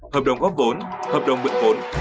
hợp đồng góp vốn hợp đồng bận vốn